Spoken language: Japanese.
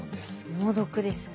猛毒ですね。